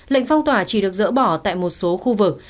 lệnh phong tỏa chỉ được dỡ bỏ tại một số khu vực